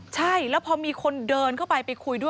ใช่แล้วพอมีคนเดินเข้าไปไปคุยด้วย